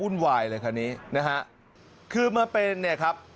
ุ่นวายเลยคราวนี้นะฮะคือมาเป็นเนี่ยครับ